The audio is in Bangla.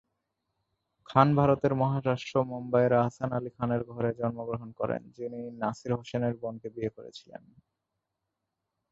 খান ভারতের মহারাষ্ট্র, মুম্বাইয়ে আহসান আলী খানের ঘরে জন্মগ্রহণ করেন, যিনি নাসির হোসেনের বোনকে বিয়ে করেছিলেন।